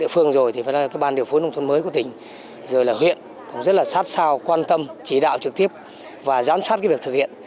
điều phương rồi thì phải nói là ban điều phố nông thôn mới của tỉnh rồi là huyện cũng rất là sát sao quan tâm chỉ đạo trực tiếp và giám sát việc thực hiện